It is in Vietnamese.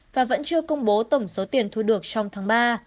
và vẫn chưa công bố tổng số tiền thu được trong tháng ba